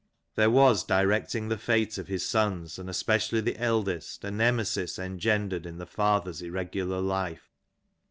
There was directing the fate of his sons and especially the eldest, a Nemesis engendered in the father's irregular life.